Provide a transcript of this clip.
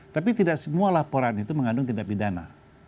tapi tidak semua laporan itu mengandung tindak pidana